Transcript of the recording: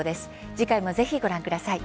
次回も、ぜひご覧ください。